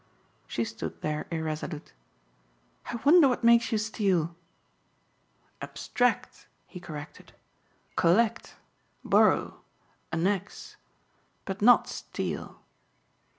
She stood there irresolute. "I wonder what makes you steal!" "Abstract," he corrected, "collect, borrow, annex but not steal."